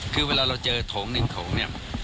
คือเวลาเราเจอถุงนึงถุงเนี่ย